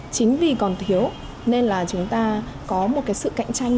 chính vì còn thiếu nên là chúng ta có một cái sự cạnh tranh